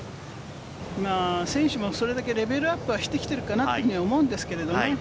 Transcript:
選手も、それだけレベルアップはしてきてるかなと思うんですけれどね。